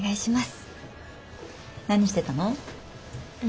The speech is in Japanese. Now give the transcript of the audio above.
何してたの？